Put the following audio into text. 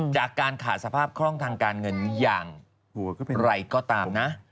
จากการขาดสภาพคล่องทางการเงินอย่างไรก็ตามนะ